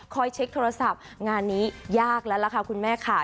เช็คโทรศัพท์งานนี้ยากแล้วล่ะค่ะคุณแม่ค่ะ